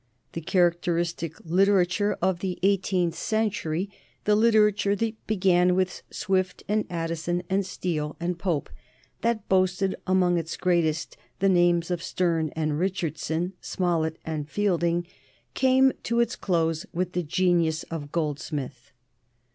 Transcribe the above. The characteristic literature of the eighteenth century, the literature that began with Swift and Addison, and Steele and Pope; that boasted among its greatest the names of Sterne and Richardson, Smollett and Fielding, came to its close with the genius of Goldsmith.